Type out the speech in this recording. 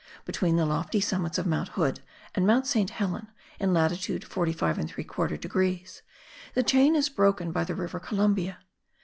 Between the lofty summits of Mount Hood and Mount Saint Helen, in latitude 45 3/4 degrees, the chain is broken by the River Columbia.